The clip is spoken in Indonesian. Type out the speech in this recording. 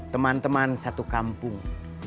teman teman satu kampung